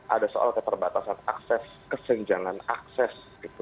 ada soal keterbatasan akses kesenjangan akses